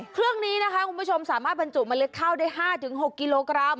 เครื่องนี้นะคะคุณผู้ชมสามารถบรรจุเมล็ดข้าวได้๕๖กิโลกรัม